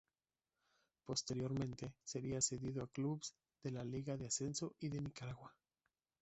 Posteriormente, sería cedido a clubes de la Liga de Ascenso y de Nicaragua.